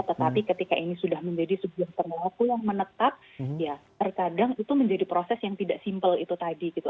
tetapi ketika ini sudah menjadi sebuah perlaku yang menetap ya terkadang itu menjadi proses yang tidak simple itu tadi gitu